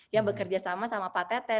yang bekerja sama sama pak tete